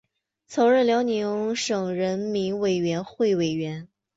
曾任辽宁省人民委员会委员。